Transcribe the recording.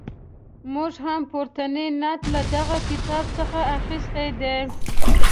موږ هم پورتنی نعت له دغه کتاب څخه اخیستی دی.